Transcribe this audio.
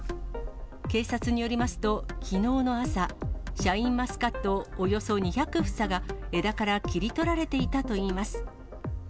警察によりますと、きのうの朝、シャインマスカットおよそ２００房が、枝から切り取られていたといいます。